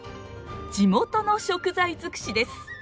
地元の食材尽くしです。